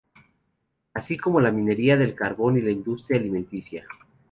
Así como la minería del carbón y la industria alimenticia.